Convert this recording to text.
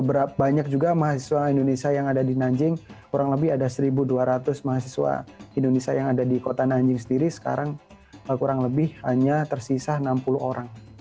karena juga banyak juga mahasiswa indonesia yang ada di nanjing kurang lebih ada seribu dua ratus mahasiswa indonesia yang ada di kota nanjing sendiri sekarang kurang lebih hanya tersisa enam puluh orang